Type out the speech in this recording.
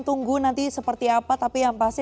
tunggu nanti seperti apa tapi yang pasti